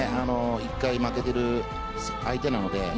１回負けている相手なので。